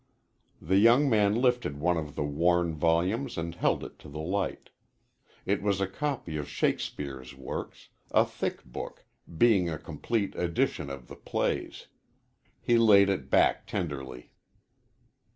The young man lifted one of the worn volumes and held it to the light. It was a copy of Shakespeare's works a thick book, being a complete edition of the plays. He laid it back tenderly.